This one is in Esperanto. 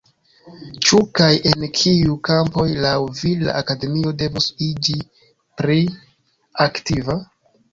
Ĉu, kaj en kiuj kampoj, laŭ vi la Akademio devus iĝi pli aktiva?